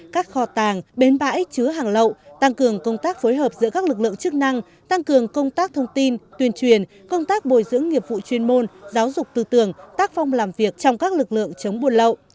các kho tàng bến bãi chứa hàng lậu tăng cường công tác phối hợp giữa các lực lượng chức năng tăng cường công tác thông tin tuyên truyền công tác bồi dưỡng nghiệp vụ chuyên môn giáo dục tư tưởng tác phong làm việc trong các lực lượng chống buôn lậu